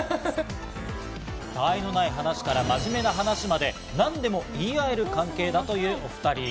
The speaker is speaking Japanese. たわいのない話から、真面目な話まで何でも言い合える関係だという２人。